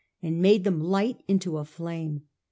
and m^de them light into a flame.